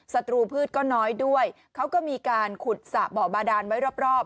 ศัตรูพืชก็น้อยด้วยเขาก็มีการขุดสระบ่อบาดานไว้รอบ